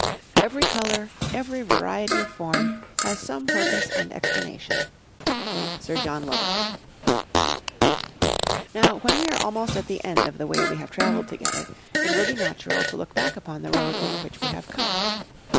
"Every color, every variety of form, has some purpose and explanation." Sir John Lubbock. Now, when we are almost at the end of the way we have traveled together, it will be natural to look back upon the road over which we have come.